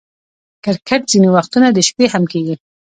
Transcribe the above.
کرکټ ځیني وختونه د شپې هم کیږي.